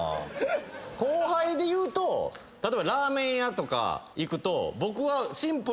後輩でいうと例えばラーメン屋とか行くと僕は。